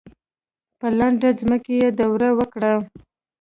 په لنده ځمکه یې دوړه وکړه.